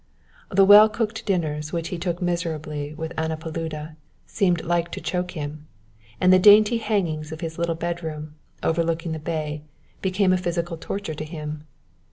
The well cooked dinners which he took miserably with Anna Paluda seemed like to choke him, and the dainty hangings of his little bedroom, overlooking the bay, became a physical torture to him.